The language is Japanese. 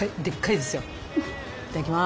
いただきます！